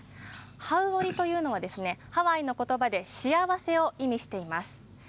ハウオリというのはハワイの言葉で幸せを意味しています。